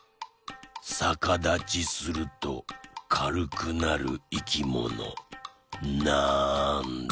さかだちするとかるくなるいきものなんだ？